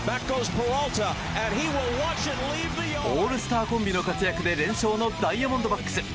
オールスターコンビの活躍で連勝のダイヤモンドバックス。